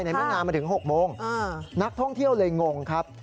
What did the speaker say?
เมื่องานมาถึง๖โมงนักท่องเที่ยวเลยงงครับ